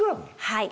はい。